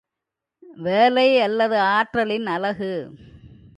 வேலை அல்லது ஆற்றலின் அலகு.